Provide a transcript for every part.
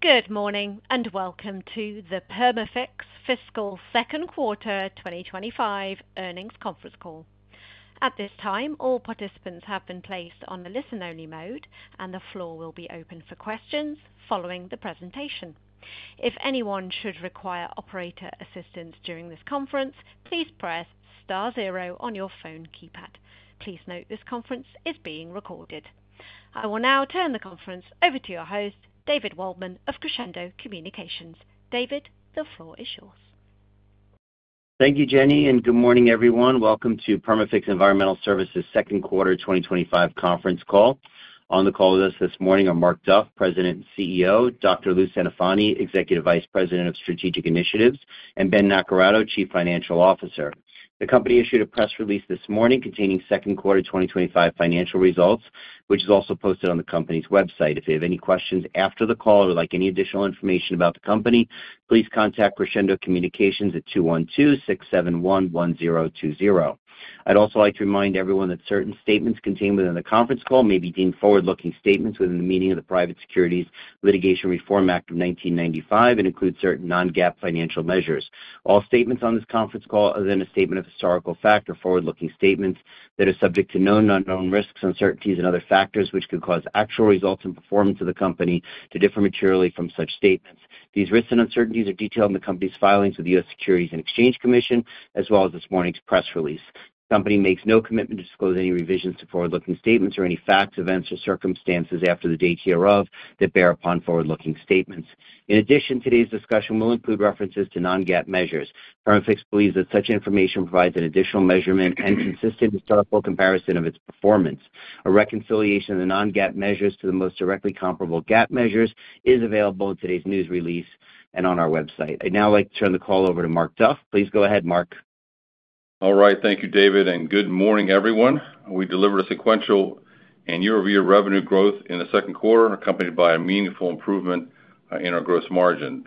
Good morning and welcome to the Perma-Fix Fiscal Second Quarter 2025 Earnings Conference Call. At this time, all participants have been placed on the listen-only mode, and the floor will be open for questions following the presentation. If anyone should require operator assistance during this conference, please press star zero on your phone keypad. Please note this conference is being recorded. I will now turn the conference over to your host, David Waldman of Crescendo Communications. David, the floor is yours. Thank you, Jenny, and good morning everyone. Welcome to Perma-Fix Environmental Services Second Quarter 2025 Conference Call. On the call with us this morning are Mark Duff, President and CEO, Dr. Louis Centofanti, Executive Vice President of Strategic Initiatives, and Ben Naccarato, Chief Financial Officer. The company issued a press release this morning containing Second Quarter 2025 financial results, which is also posted on the company's website. If you have any questions after the call or would like any additional information about the company, please contact Crescendo Communications at 212-671-1020. I'd also like to remind everyone that certain statements contained within the conference call may be deemed forward-looking statements within the meaning of the Private Securities Litigation Reform Act of 1995 and include certain non-GAAP financial measures. All statements on this conference call other than a statement of historical fact are forward-looking statements that are subject to known and unknown risks, uncertainties, and other factors which could cause actual results and performance of the company to differ materially from such statements. These risks and uncertainties are detailed in the company's filings with the U.S. Securities and Exchange Commission, as well as this morning's press release. The company makes no commitment to disclose any revisions to forward-looking statements or any facts, events, or circumstances after the date hereof that bear upon forward-looking statements. In addition, today's discussion will include references to non-GAAP measures. Perma-Fix believes that such information provides an additional measurement and consistent historical comparison of its performance. A reconciliation of the non-GAAP measures to the most directly comparable GAAP measures is available in today's news release and on our website. I'd now like to turn the call over to Mark Duff. Please go ahead, Mark. All right, thank you, David, and good morning everyone. We delivered a sequential and year-over-year revenue growth in the second quarter, accompanied by a meaningful improvement in our gross margin.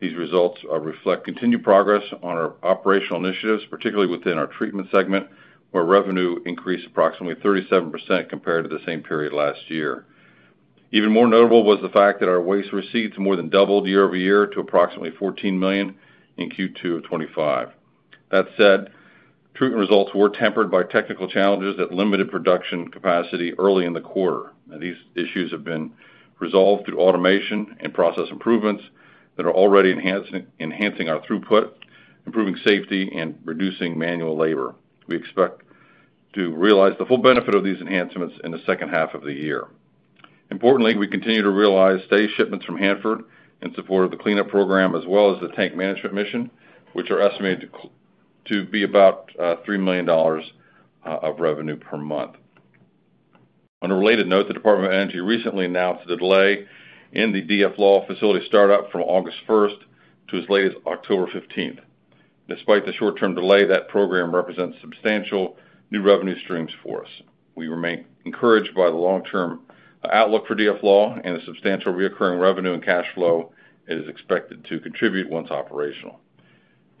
These results reflect continued progress on our operational initiatives, particularly within our treatment segment, where revenue increased approximately 37% compared to the same period last year. Even more notable was the fact that our waste receipts more than doubled year-over-year to approximately $14 million in Q2 of 2025. That said, treatment results were tempered by technical challenges that limited production capacity early in the quarter. These issues have been resolved through automation and process improvements that are already enhancing our throughput, improving safety, and reducing manual labor. We expect to realize the full benefit of these enhancements in the second half of the year. Importantly, we continue to realize today's shipments from Hanford in support of the cleanup program, as well as the tank management mission, which are estimated to be about $3 million of revenue per month. On a related note, the Department of Energy recently announced the delay in the DFLAW facility startup from August 1st to as late as October 15th. Despite the short-term delay, that program represents substantial new revenue streams for us. We remain encouraged by the long-term outlook for DFLAW and a substantial reoccurring revenue and cash flow that is expected to contribute once operational.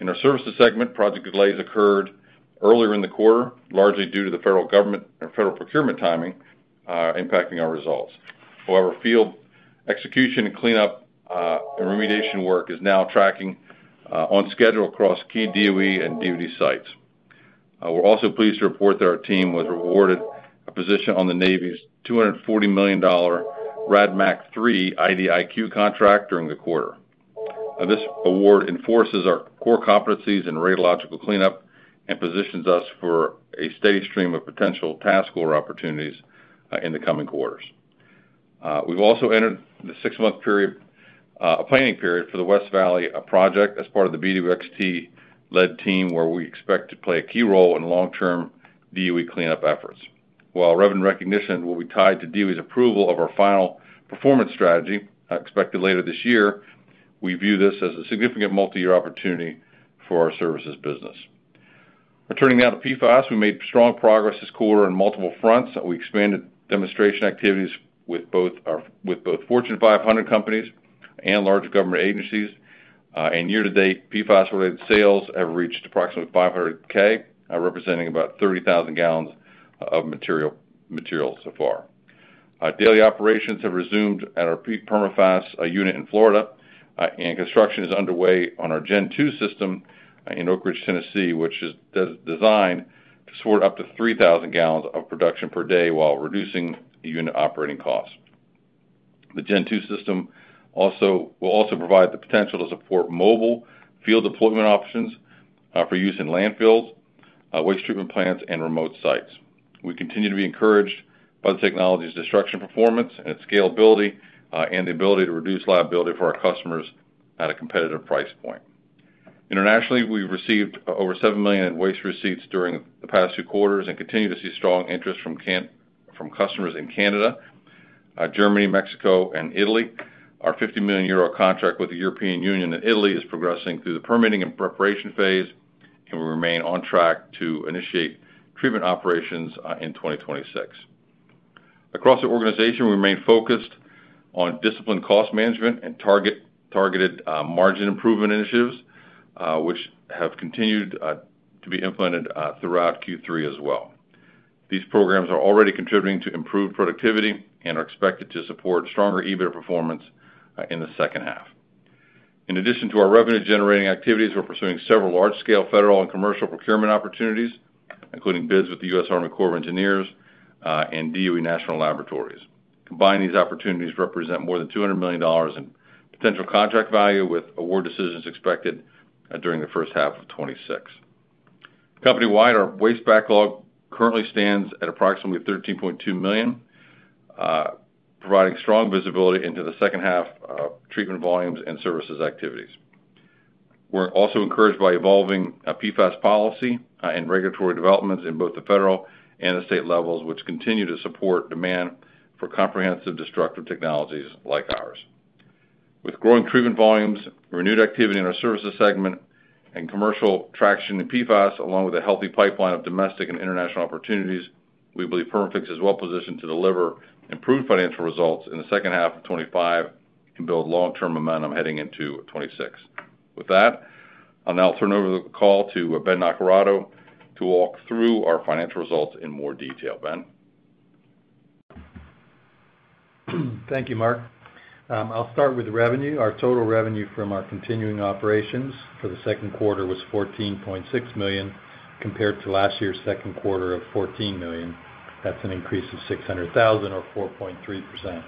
In our services segment, project delays occurred earlier in the quarter, largely due to the federal government and federal procurement timing, impacting our results. However, field execution and cleanup and remediation work is now tracking on schedule across key DOE and DOD sites. We're also pleased to report that our team was rewarded with a position on the Navy's $240 million RADMAC III IDIQ contract during the quarter. This award enforces our core competencies in radiological cleanup and positions us for a steady stream of potential task order opportunities in the coming quarters. We've also entered the six-month period, a planning period for the West Valley project as part of the BWXT-led team, where we expect to play a key role in long-term DOE cleanup efforts. While revenue recognition will be tied to DOE's approval of our final performance strategy, expected later this year, we view this as a significant multi-year opportunity for our services business. Returning now to PFAS, we made strong progress this quarter on multiple fronts. We expanded demonstration activities with both Fortune 500 companies and large government agencies. Year-to-date, PFAS-related sales have reached approximately $500,000, representing about 30,000 gal of material so far. Daily operations have resumed at our Peak Perma-Fast unit in Florida, and construction is underway on our Gen 2 system in Oak Ridge, Tennessee, which is designed to support up to 3,000 gal of production per day while reducing the unit operating cost. The Gen 2 system also will provide the potential to support mobile field deployment options for use in landfills, waste treatment plants, and remote sites. We continue to be encouraged by the technology's destruction performance, its scalability, and the ability to reduce liability for our customers at a competitive price point. Internationally, we received over $7 million in waste receipts during the past two quarters and continue to see strong interest from customers in Canada, Germany, Mexico, and Italy. Our 50 million euro contract with the European Union and Italy is progressing through the permitting and preparation phase, and we remain on track to initiate treatment operations in 2026. Across the organization, we remain focused on disciplined cost management and targeted margin improvement initiatives, which have continued to be implemented throughout Q3 as well. These programs are already contributing to improved productivity and are expected to support stronger EBITDA performance in the second half. In addition to our revenue-generating activities, we're pursuing several large-scale federal and commercial procurement opportunities, including bids with the U.S. Army Corps of Engineers and DOE National Laboratories. Combined, these opportunities represent more than $200 million in potential contract value, with award decisions expected during the first half of 2026. Company-wide, our waste backlog currently stands at approximately $13.2 million, providing strong visibility into the second half of treatment volumes and services activities. We're also encouraged by evolving PFAS policy and regulatory developments at both the federal and state levels, which continue to support demand for comprehensive destructive technologies like ours. With growing treatment volumes, renewed activity in our services segment, and commercial traction in PFAS, along with a healthy pipeline of domestic and international opportunities, we believe Perma-Fix is well-positioned to deliver improved financial results in the second half of 2025 and build long-term momentum heading into 2026. With that, I'll now turn over the call to Ben Naccarato to walk through our financial results in more detail. Ben. Thank you, Mark. I'll start with revenue. Our total revenue from our continuing operations for the second quarter was $14.6 million compared to last year's second quarter of $14 million. That's an increase of $600,000 or 4.3%.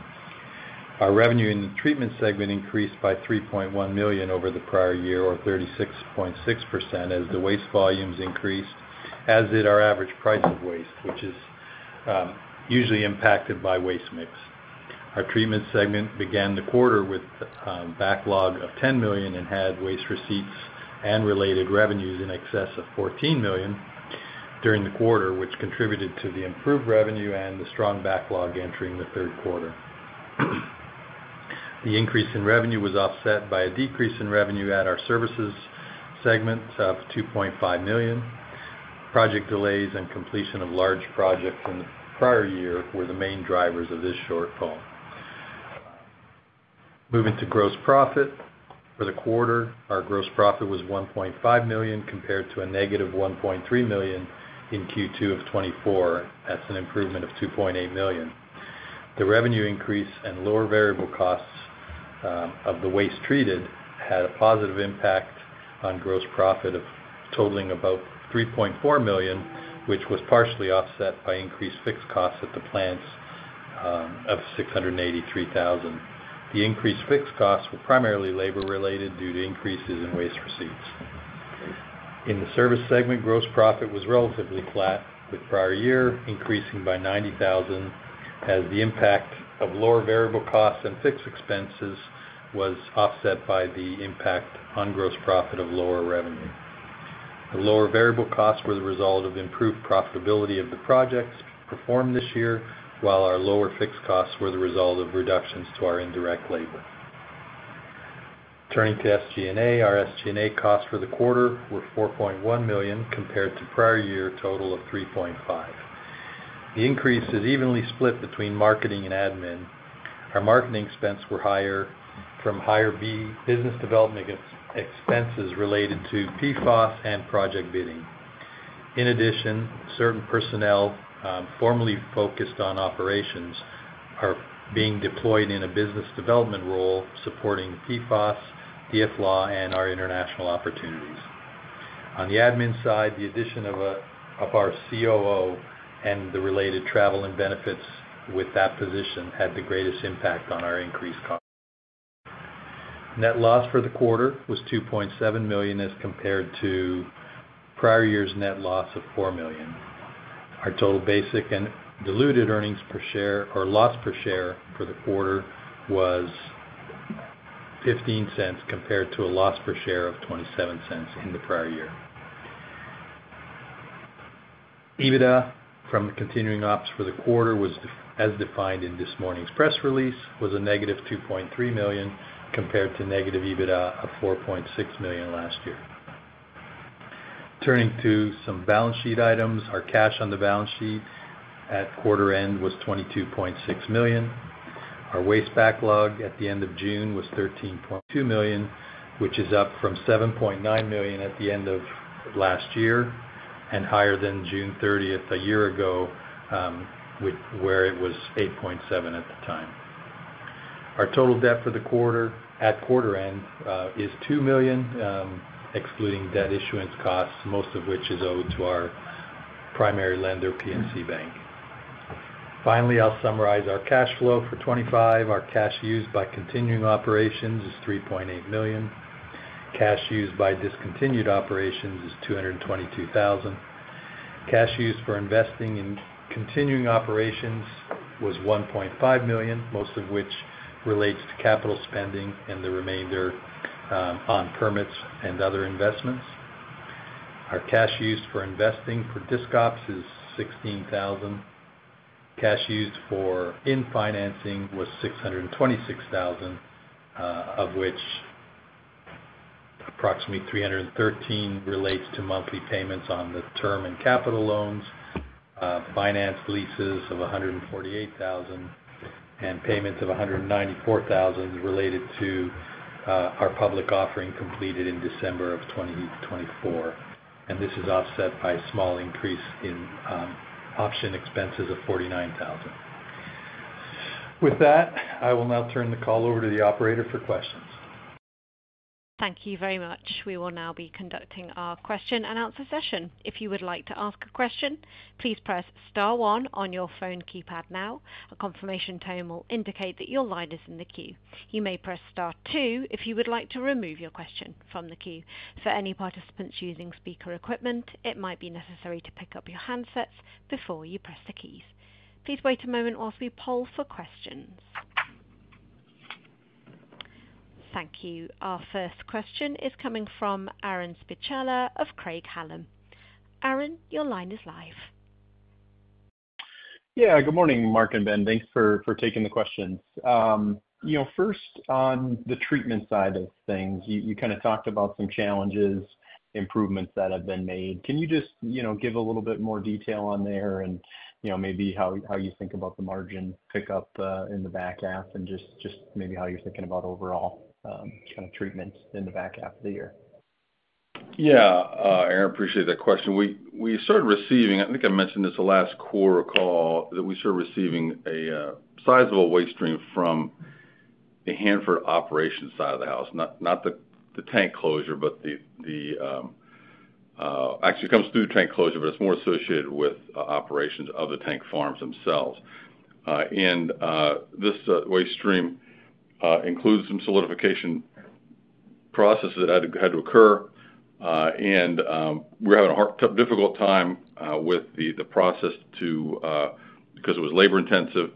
Our revenue in the treatment segment increased by $3.1 million over the prior year or 36.6% as the waste volumes increased, as did our average price of waste, which is usually impacted by waste mix. Our treatment segment began the quarter with a backlog of $10 million and had waste receipts and related revenues in excess of $14 million during the quarter, which contributed to the improved revenue and the strong backlog entering the third quarter. The increase in revenue was offset by a decrease in revenue at our services segment of $2.5 million. Project delays and completion of large projects in the prior year were the main drivers of this shortfall. Moving to gross profit for the quarter, our gross profit was $1.5 million compared to a -$1.3 million in Q2 of 2024. That's an improvement of $2.8 million. The revenue increase and lower variable costs of the waste treated had a positive impact on gross profit totaling about $3.4 million, which was partially offset by increased fixed costs at the plants of $683,000. The increased fixed costs were primarily labor-related due to increases in waste receipts. In the services segment, gross profit was relatively flat, with prior year increasing by $90,000 as the impact of lower variable costs and fixed expenses was offset by the impact on gross profit of lower revenue. The lower variable costs were the result of improved profitability of the projects performed this year, while our lower fixed costs were the result of reductions to our indirect labor. Turning to SG&A, our SG&A costs for the quarter were $4.1 million compared to prior year's total of $3.5 million. The increase is evenly split between marketing and admin. Our marketing expenses were higher from higher business development expenses related to PFAS and project bidding. In addition, certain personnel formerly focused on operations are being deployed in a business development role supporting PFAS, DFLAW, and our international opportunities. On the admin side, the addition of our COO and the related travel and benefits with that position had the greatest impact on our increased costs. Net loss for the quarter was $2.7 million as compared to prior year's net loss of $4 million. Our total basic and diluted earnings per share or loss per share for the quarter was $0.15 compared to a loss per share of $0.27 in the prior year. EBITDA from the continuing ops for the quarter, as defined in this morning's press release, was a -$2.3 million compared to negative EBITDA of $4.6 million last year. Turning to some balance sheet items, our cash on the balance sheet at quarter end was $22.6 million. Our waste backlog at the end of June was $13.2 million, which is up from $7.9 million at the end of last year and higher than June 30th a year ago, where it was $8.7 million at the time. Our total debt for the quarter at quarter end is $2 million, excluding debt issuance costs, most of which is owed to our primary lender, PNC Bank. Finally, I'll summarize our cash flow for 2025. Our cash used by continuing operations is $3.8 million. Cash used by discontinued operations is $222,000. Cash used for investing in continuing operations was $1.5 million, most of which relates to capital spending and the remainder, on permits and other investments. Our cash used for investing for discounts is $16,000. Cash used for financing was $626,000, of which approximately $313,000 relates to monthly payments on the term and capital loans, financed leases of $148,000, and payments of $194,000 related to our public offering completed in December of 2024. This is offset by a small increase in option expenses of $49,000. With that, I will now turn the call over to the operator for questions. Thank you very much. We will now be conducting our question and answer session. If you would like to ask a question, please press star one on your phone keypad now. A confirmation tone will indicate that your line is in the queue. You may press star two if you would like to remove your question from the queue. For any participants using speaker equipment, it might be necessary to pick up your handsets before you press the keys. Please wait a moment while we poll for questions. Thank you. Our first question is coming from Aaron Spychalla of Craig-Hallum. Aaron, your line is live. Good morning, Mark and Ben. Thanks for taking the questions. First, on the treatment side of things, you talked about some challenges, improvements that have been made. Can you give a little bit more detail on there and maybe how you think about the margin pickup in the back half and just maybe how you're thinking about overall kind of treatment in the back half of the year? Yeah, Aaron, I appreciate that question. We started receiving, I think I mentioned this the last quarter call, that we started receiving a sizable waste stream from the Hanford operation side of the house. Not the tank closure, but actually, it comes through the tank closure, but it's more associated with operations of the tank farms themselves. This waste stream includes some solidification processes that had to occur. We were having a hard, difficult time with the process because it was labor-intensive,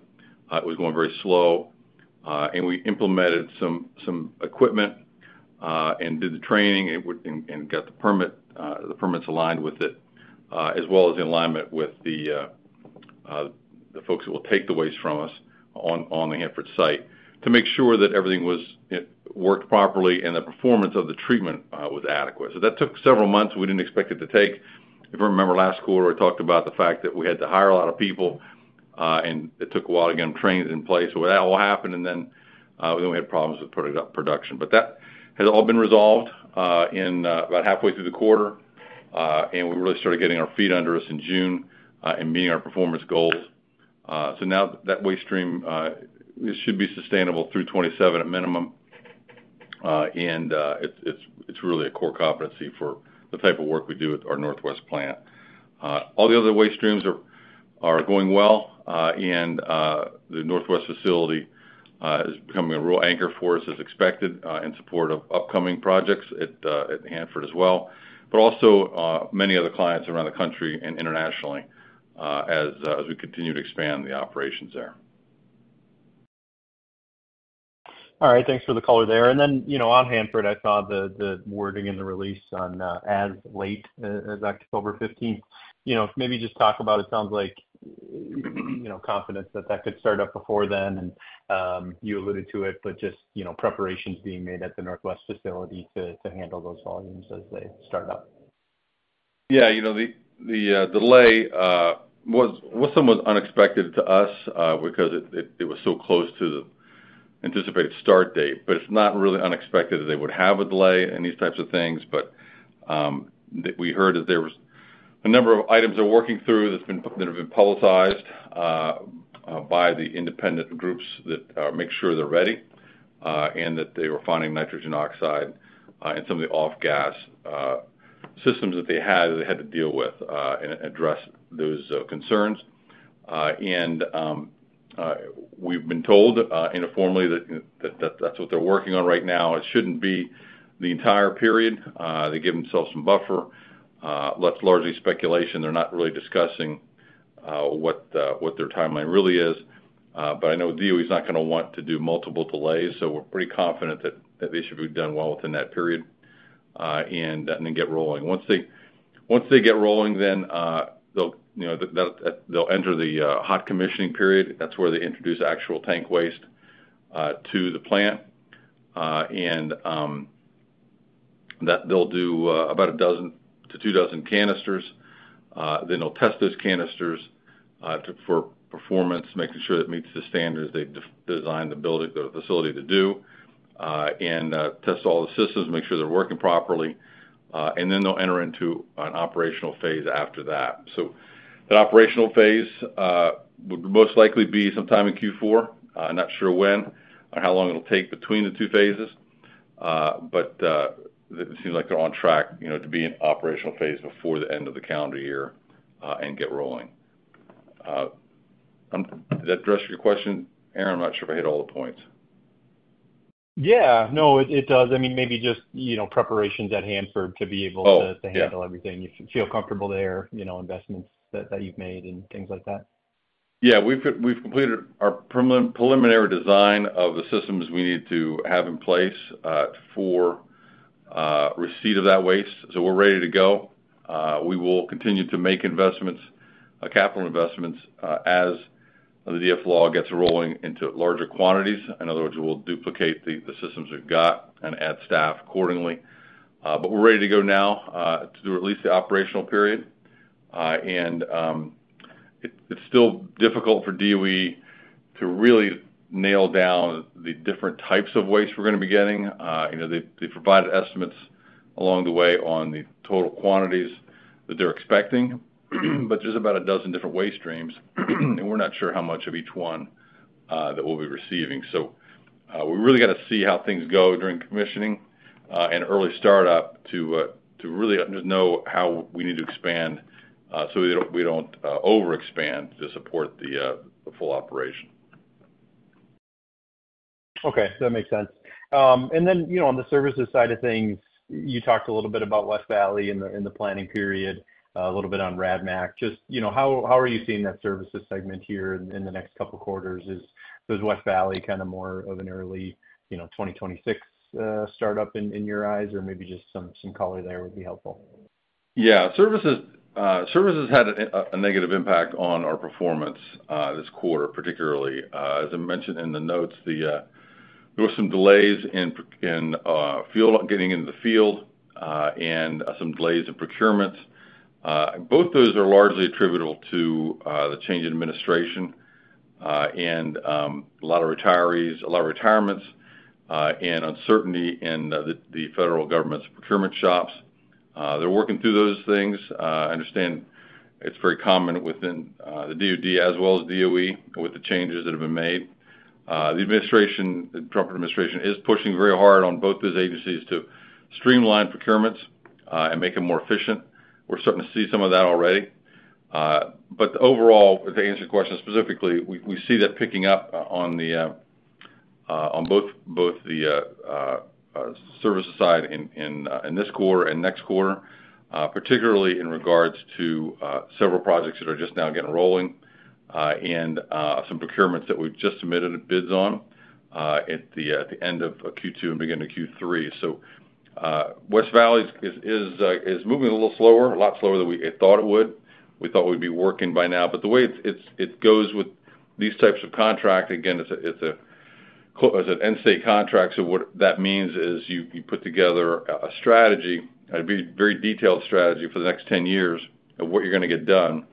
it was going very slow. We implemented some equipment and did the training and got the permits aligned with it, as well as the alignment with the folks that will take the waste from us on the Hanford site to make sure that everything worked properly and the performance of the treatment was adequate. That took several months that we didn't expect it to take. If you remember last quarter, I talked about the fact that we had to hire a lot of people, and it took a while to get them trained in place. That all happened, and then we had problems with production. That has all been resolved in about halfway through the quarter, and we really started getting our feet under us in June and meeting our performance goals. Now that waste stream should be sustainable through 2027 at minimum. It's really a core competency for the type of work we do at our Northwest plant. All the other waste streams are going well, and the Northwest facility is becoming a real anchor for us as expected in support of upcoming projects at Hanford as well, but also many other clients around the country and internationally as we continue to expand the operations there. All right, thanks for the call there. On Hanford, I saw the wording in the release on as late as October 15th. Maybe just talk about it sounds like confidence that that could start up before then. You alluded to it, just preparations being made at the Northwest facility to handle those volumes as they start up. Yeah, you know, the delay was somewhat unexpected to us because it was so close to the anticipated start date, but it's not really unexpected that they would have a delay in these types of things. We heard that there were a number of items they're working through that have been publicized by the independent groups that make sure they're ready and that they were finding nitrogen oxide in some of the off-gas systems that they had that they had to deal with and address those concerns. We've been told informally that that's what they're working on right now. It shouldn't be the entire period. They give themselves some buffer. That's largely speculation. They're not really discussing what their timeline really is. I know DOE is not going to want to do multiple delays, so we're pretty confident that they should be done well within that period and then get rolling. Once they get rolling, they'll enter the hot commissioning period. That's where they introduce actual tank waste to the plant. They'll do about a dozen to two dozen canisters. They'll test those canisters for performance, making sure it meets the standards they designed the facility to do and test all the systems, make sure they're working properly. They'll enter into an operational phase after that. That operational phase would most likely be sometime in Q4. I'm not sure when or how long it'll take between the two phases, but it seems like they're on track, you know, to be in the operational phase before the end of the calendar year and get rolling. Does that address your question, Aaron? I'm not sure if I hit all the points. Yeah, no, it does. I mean, maybe just, you know, preparations at Hanford to be able to handle everything. You feel comfortable there, you know, investments that you've made and things like that. Yeah, we've completed our preliminary design of the systems we need to have in place for receipt of that waste. We're ready to go. We will continue to make investments, capital investments, as the DFLAW gets rolling into larger quantities. In other words, we'll duplicate the systems we've got and add staff accordingly. We're ready to go now to do at least the operational period. It's still difficult for DOE to really nail down the different types of waste we're going to be getting. They provided estimates along the way on the total quantities that they're expecting, but there's about a dozen different waste streams, and we're not sure how much of each one that we'll be receiving. We really got to see how things go during commissioning and early startup to really know how we need to expand so we don't overexpand to support the full operation. Okay, that makes sense. On the services side of things, you talked a little bit about West Valley in the planning period, a little bit on RADMAC. How are you seeing that services segment here in the next couple of quarters? Is West Valley kind of more of an early 2026 start up in your eyes, or maybe just some color there would be helpful? Yeah, services had a negative impact on our performance this quarter, particularly. As I mentioned in the notes, there were some delays in getting into the field and some delays in procurements. Both those are largely attributable to the change in administration and a lot of retirements, a lot of retirements, and uncertainty in the federal government's procurement shops. They're working through those things. I understand it's very common within the DOD as well as DOE with the changes that have been made. The administration, the Trump administration, is pushing very hard on both those agencies to streamline procurements and make them more efficient. We're starting to see some of that already. Overall, to answer your question specifically, we see that picking up on both the service side in this quarter and next quarter, particularly in regards to several projects that are just now getting rolling and some procurements that we've just submitted bids on at the end of Q2 and beginning of Q3. West Valley is moving a little slower, a lot slower than we thought it would. We thought we'd be working by now. The way it goes with these types of contracts, again, it's an end-state contract. What that means is you put together a strategy, a very detailed strategy for the next 10 years of what you're going to get done.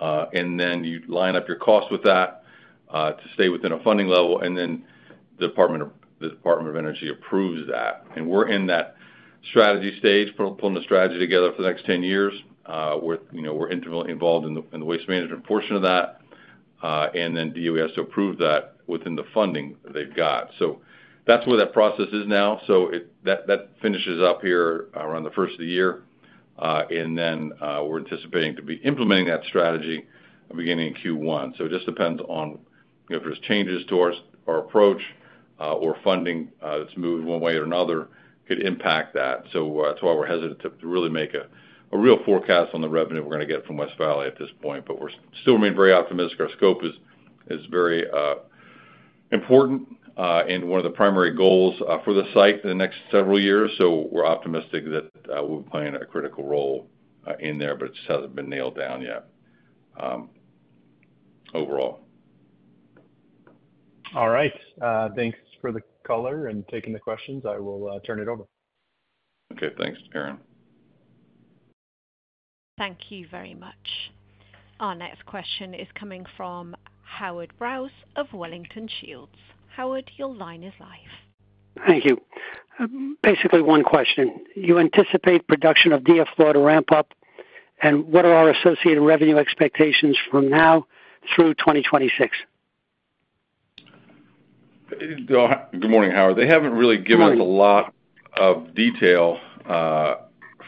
Then you line up your costs with that to stay within a funding level. The Department of Energy approves that. We're in that strategy stage, pulling the strategy together for the next 10 years. We're intimately involved in the waste management portion of that. DOE has to approve that within the funding they've got. That's where that process is now. That finishes up here around the first of the year. We're anticipating to be implementing that strategy beginning in Q1. It just depends on if there's changes to our approach or funding that's moved one way or another could impact that. That's why we're hesitant to really make a real forecast on the revenue we're going to get from West Valley at this point. We still remain very optimistic. Our scope is very important and one of the primary goals for the site in the next several years. We're optimistic that we'll be playing a critical role in there, but it just hasn't been nailed down yet overall. All right. Thanks for the color and taking the questions. I will turn it over. Okay, thanks, Aaron. Thank you very much. Our next question is coming from Howard Brous of Wellington Shields. Howard, your line is live. Thank you. Basically, one question. You anticipate production of DFLAW to ramp up, and what are our associated revenue expectations from now through 2026? Good morning, Howard. They haven't really given us a lot of detail for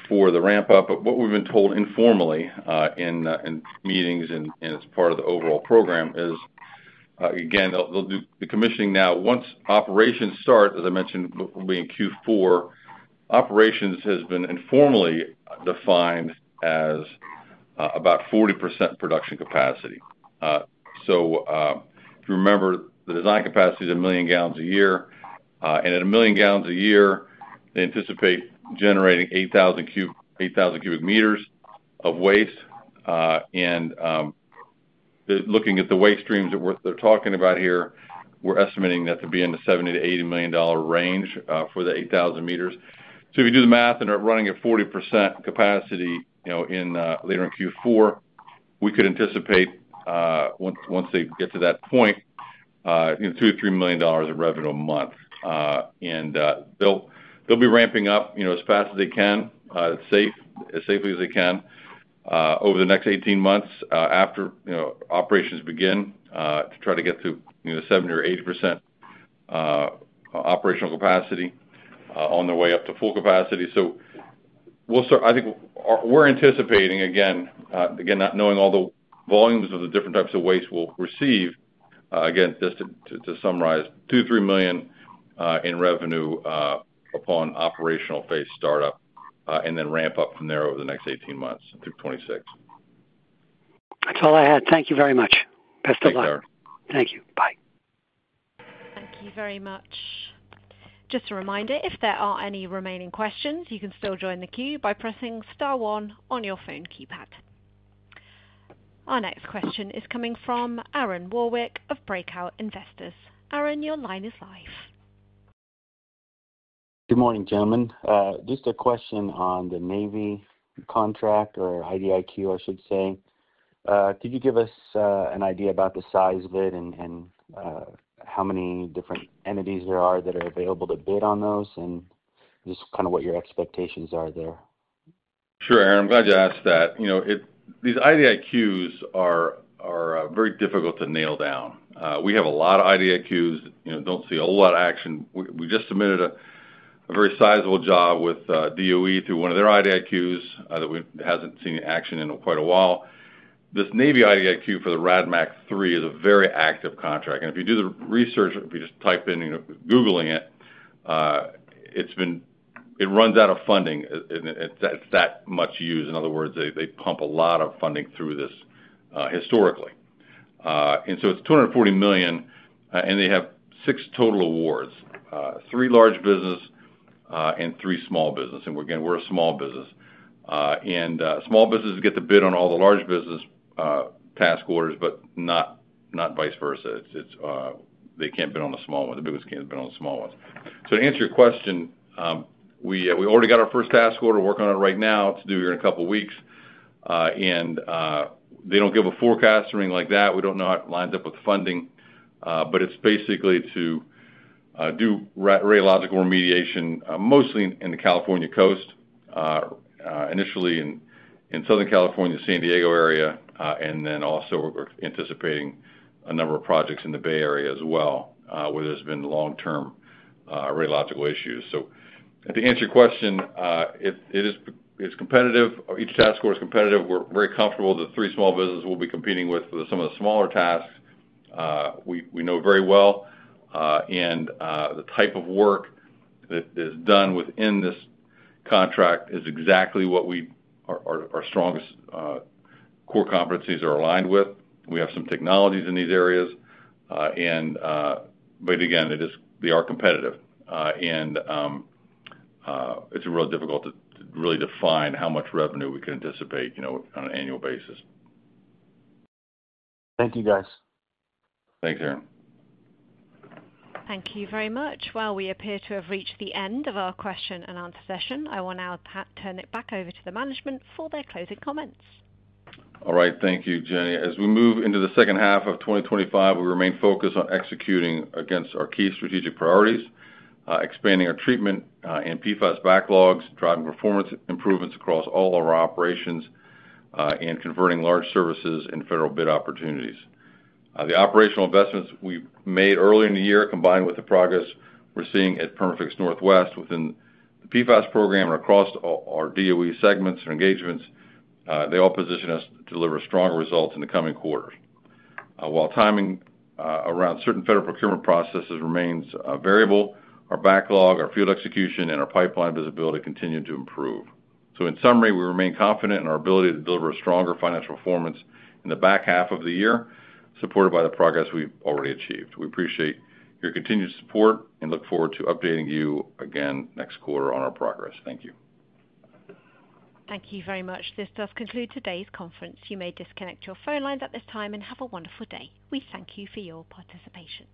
the ramp-up. What we've been told informally in meetings and as part of the overall program is, again, they'll do the commissioning now. Once operations start, as I mentioned, we'll be in Q4. Operations has been informally defined as about 40% production capacity. If you remember, the design capacity is 1 million gal a year. At 1 million gal a year, they anticipate generating 8,000 m³ of waste. Looking at the waste streams that we're talking about here, we're estimating that to be in the $70 million-$80 million range for the 8,000 m³. If you do the math and are running at 40% capacity, later in Q4, we could anticipate, once they get to that point, $2 million-$3 million of revenue a month. They'll be ramping up as fast as they can, as safely as they can, over the next 18 months after operations begin to try to get to 70% or 80% operational capacity on their way up to full capacity. I think we're anticipating, again, not knowing all the volumes of the different types of waste we'll receive. Just to summarize, $2 million-$3 million in revenue upon operational phase startup and then ramp up from there over the next 18 months through 2026. That's all I had. Thank you very much. Best of luck. Thank you, Howard. Thank you. Bye. Thank you very much. Just a reminder, if there are any remaining questions, you can still join the queue by pressing star one on your phone keypad. Our next question is coming from Aaron Warwick of Breakout Investors. Aaron, your line is live. Good morning, gentlemen. Just a question on the Navy contract or IDIQ, I should say. Could you give us an idea about the size of it and how many different entities there are that are available to bid on those, and just kind of what your expectations are there? Sure, Aaron. I'm glad you asked that. You know, these IDIQs are very difficult to nail down. We have a lot of IDIQs. You know, don't see a whole lot of action. We just submitted a very sizable job with DOE through one of their IDIQs that we haven't seen action in quite a while. This Navy IDIQ for the RADMAC III is a very active contract. If you do the research, if you just type in, you know, Googling it, it runs out of funding. It's that much used. In other words, they pump a lot of funding through this historically. It's $240 million, and they have six total awards, three large business and three small business. Again, we're a small business. Small businesses get to bid on all the large business task orders, but not vice versa. They can't bid on the small ones. The big ones can't bid on the small ones. To answer your question, we already got our first task order working on it right now. It's due here in a couple of weeks. They don't give a forecast or anything like that. We don't know how it lines up with funding, but it's basically to do radiological remediation mostly in the California coast, initially in Southern California, San Diego area, and then also we're anticipating a number of projects in the Bay Area as well, where there's been long-term radiological issues. To answer your question, it is competitive. Each task order is competitive. We're very comfortable that three small businesses will be competing with some of the smaller tasks. We know very well, and the type of work that is done within this contract is exactly what our strongest core competencies are aligned with. We have some technologies in these areas. Again, they are competitive. It's real difficult to really define how much revenue we can anticipate, you know, on an annual basis. Thank you, guys. Thanks, Aaron. Thank you very much. We appear to have reached the end of our question and answer session. I will now turn it back over to the management for their closing comments. All right, thank you, Jenny. As we move into the second half of 2025, we remain focused on executing against our key strategic priorities, expanding our treatment and PFAS backlogs, driving performance improvements across all of our operations, and converting large services and federal bid opportunities. The operational investments we made earlier in the year, combined with the progress we're seeing at Perma-Fix Northwest within the PFAS program and across our DOE segments and engagements, all position us to deliver stronger results in the coming quarters. While timing around certain federal procurement processes remains variable, our backlog, our field execution, and our pipeline visibility continue to improve. In summary, we remain confident in our ability to deliver a stronger financial performance in the back half of the year, supported by the progress we've already achieved. We appreciate your continued support and look forward to updating you again next quarter on our progress. Thank you. Thank you very much. This does conclude today's conference. You may disconnect your phone lines at this time and have a wonderful day. We thank you for your participation.